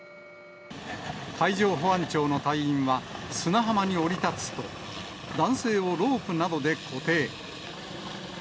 海上保安庁の隊員は砂浜に降り立つと、男性をロープなどで固定。